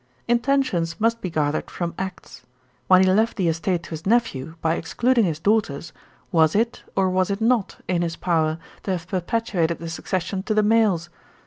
'Intentions must be gathered from acts. When he left the estate to his nephew, by excluding his daughters, was it, or was it not, in his power to have perpetuated the succession to the males?